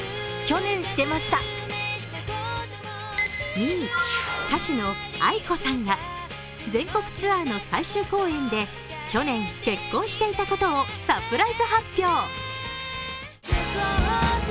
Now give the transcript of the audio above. ２位、歌手のａｉｋｏさんが全国ツアーの最終公演で、去年結婚していたことをサプライズ発表。